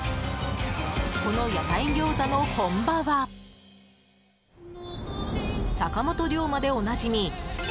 この屋台餃子の本場は坂本竜馬でおなじみ